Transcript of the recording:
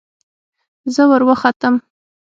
زه وروختم.